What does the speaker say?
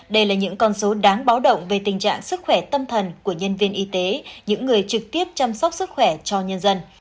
đây là những con số đáng báo động về tình trạng sức khỏe tâm thần của nhân viên y tế những người trực tiếp chăm sóc sức khỏe cho nhân dân